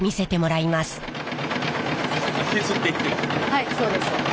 はいそうです。